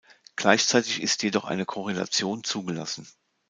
Gleichzeitig ist jedoch eine Korrelation zugelassen.